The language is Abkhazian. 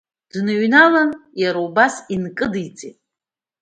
Дныҩналан, иара убас инкыдиҵеит.